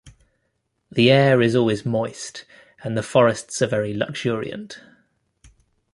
The air is always moist, and the forests are very luxuriant.